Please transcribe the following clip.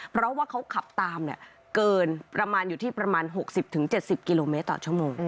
เพราะว่าเขาขับตามเกินประมาณอยู่ที่ประมาณ๖๐๗๐กิโลเมตรต่อชั่วโมง